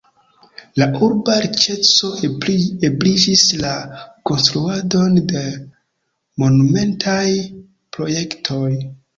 La urba riĉeco ebligis la konstruadon de monumentaj projektoj.